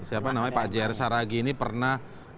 siapa namanya pak jr saragi ini pernah